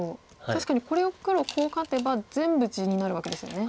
確かにこれを黒コウ勝てば全部地になるわけですよね。